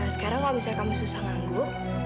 sekarang kalau bisa kamu susah ngangguk